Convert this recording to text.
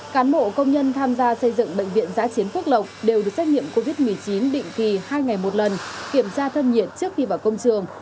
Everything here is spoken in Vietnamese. cán bộ công nhân tham gia xây dựng bệnh viện giã chiến phước lộc đều được xét nghiệm covid một mươi chín định kỳ hai ngày một lần kiểm tra thân nhiệt trước khi vào công trường